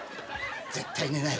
絶対寝ないわ。